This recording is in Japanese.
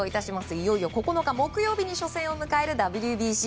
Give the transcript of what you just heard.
いよいよ９日、木曜日に初戦を迎えるＷＢＣ。